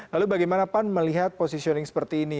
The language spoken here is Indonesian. lalu bagaimana pan melihat positioning seperti ini